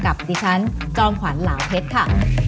กับดิฉันจอมขวัญเหลาเพชรค่ะ